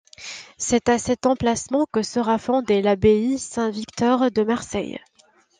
C'est à cet emplacement que sera fondé l'Abbaye Saint-Victor de Marseille.